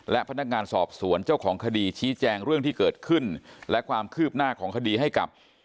และพนักงานสอบสวนเจ้าของคดีชี้แจงเรื่องที่เกิดขึ้นและความคืบหน้าของคดีให้กับ